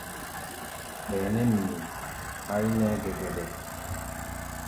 Ɓɛɛ́ nɛ mii háí nɛ́ɛ́ gɛgɛɗɛ.